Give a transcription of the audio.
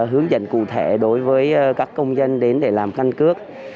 hướng dẫn cụ thể đối với các công dân đến để làm căn cước